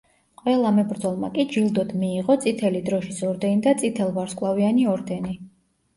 ყველა მებრძოლმა კი ჯილდოდ მიიღო წითელი დროშის ორდენი და წითელ ვარსკვლავიანი ორდენი.